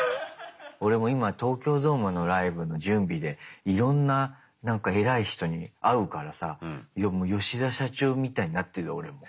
俺も今東京ドームのライブの準備でいろんな偉い人に会うからさヨシダ社長みたいになってる俺も。